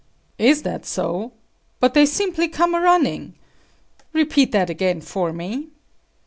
"Is that so? But they simply come a running. Repeat that again for me."